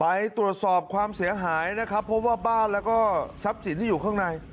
ไปตรวจสอบความเสียหายนะครับเพราะว่าบ้านแล้วก็ทรัพย์สินที่อยู่ข้างใน